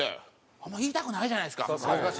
あんま言いたくないじゃないですか。